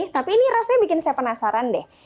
tapi ini rasanya bikin saya penasaran deh